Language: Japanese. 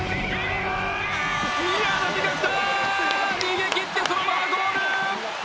逃げ切ってそのままゴール！